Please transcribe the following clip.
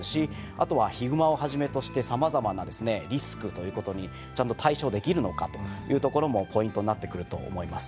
あとはヒグマをはじめとしてさまざまなリスクということにちゃんと対処できるのかというところもポイントになってくると思います。